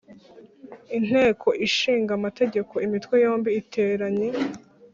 Inteko Ishinga Amategeko Imitwe yombi iteranye